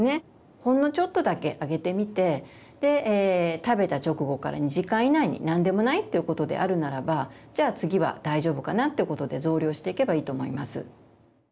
ほんのちょっとだけあげてみて食べた直後から２時間以内に何でもないということであるならばじゃあ次は大丈夫かなということで増量していけばいいと思います。